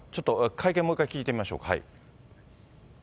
会見、もう一回聞いてみましょうか。